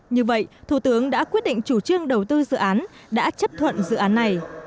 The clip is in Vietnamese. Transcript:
như vậy thủ tướng đã quyết định chủ trương đầu tư dự án đã chấp thuận dự án này